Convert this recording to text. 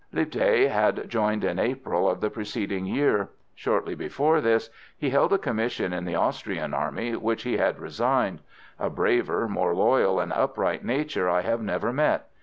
Lipthay had joined in April of the preceding year. Shortly before this he held a commission in the Austrian army, which he had resigned. A braver, more loyal and upright nature I have never met.